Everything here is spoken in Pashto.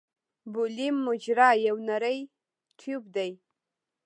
بولي مجرا یو نری ټیوب دی.